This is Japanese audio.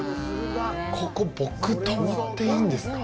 ここ僕、泊まっていいんですか。